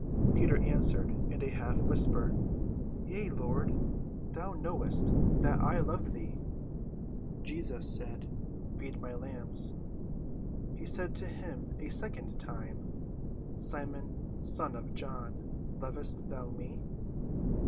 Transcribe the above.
Peter answered in a half whisper, "Yea, Lord; thou knowest that I love thee." Jesus said, "Feed my lambs." He said to him a second time, "Simon, son of John, lovest thou me?"